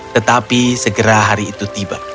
tetapi segera hari itu tiba